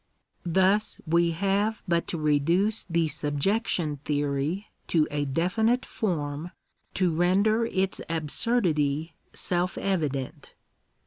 Thus we have but to reduce the subjection theory to a definite form to render its absurdity self evident.